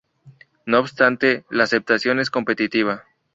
No obstante, la aceptación es competitiva.